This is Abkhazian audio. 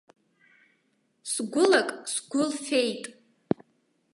Сгәылак сгәы лфеит.